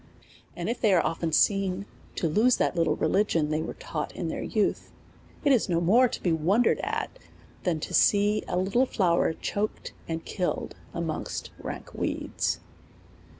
And if they are often seen to lose that little religion they were taught in their youth, it is no more to be wondered at, than to see a little flower choked and killed amongst rank weeds.